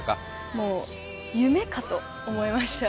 もう、夢かと思いました。